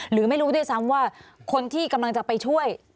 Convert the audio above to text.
หรือไม่รู้ด้วยซ้ำว่าคนที่กำลังจะไปช่วย